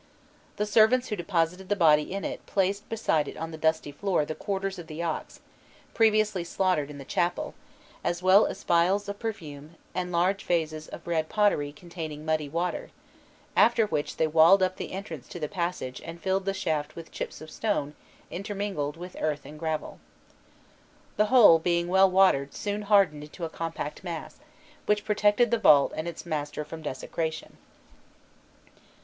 The servants who deposited the body in it placed beside it on the dusty floor the quarters of the ox, previously slaughtered in the chapel, as well as phials of perfume, and large vases of red pottery containing muddy water; after which they walled up the entrance to the passage and filled the shaft with chips of stone intermingled with earth and gravel. The whole, being well watered, soon hardened into a compact mass, which protected the vault and its master from desecration.